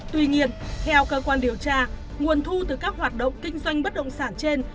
tuy nhiên theo cơ quan điều tra nguồn thu từ các hoạt động kinh doanh bất động sản trên